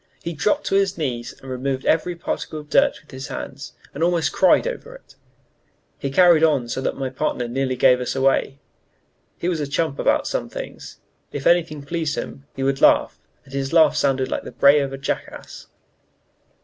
He dropped on his knees and removed every particle of dirt with his hands, and almost cried over it. He carried on so that my partner nearly gave us away. He was a chump about some things: if anything pleased him, he would laugh, and his laugh sounded like the bray of a jackass.